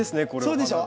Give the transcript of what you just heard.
そうでしょ？